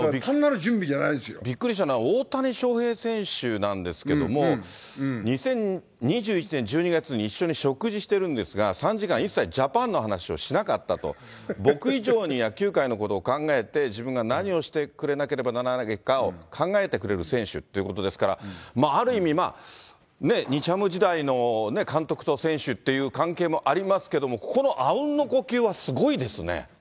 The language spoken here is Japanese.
びっくりしたのは、大谷翔平選手なんですけども、２０２１年１２月に、一緒に食事してるんですが、３時間、一切ジャパンの話をしなかったと、僕以上に野球界のことを考えて自分が何をしてくれなければならないかを考えてくれる選手っていうことですから、まあある意味、日ハム時代の監督と選手っていう関係もありますけども、ここのあうんの呼吸はすごいですね。